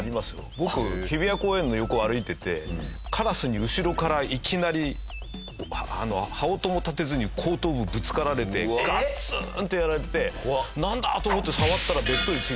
僕日比谷公園の横を歩いていてカラスに後ろからいきなり羽音も立てずに後頭部ぶつかられてガツン！ってやられてなんだ！？と思って触ったら。